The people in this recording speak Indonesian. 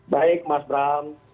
baik mas bram